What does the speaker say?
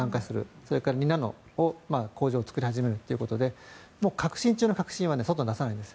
それから２ナノの工場を作り始めるということで核心中の核心は外に出さないんです。